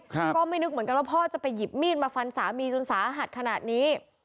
ก็ไม่นึกเหมือนกันว่าพ่อจะไปหยิบมีดมาฟันสามีจนสาหัสขนาดนี้